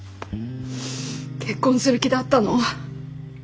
結婚する気だったの？